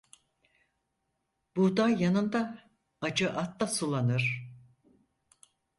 Buğday yanında acı at da sulanır.